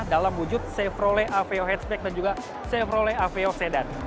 dalam wujud chevrolet aveo hatchback dan juga chevrolet aveo sedan